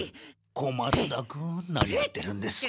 小松田君何やってるんですか？